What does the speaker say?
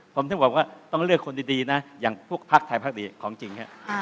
ผมถึงบอกว่าต้องเลือกคนดีนะอย่างพวกพักไทยพักดีของจริง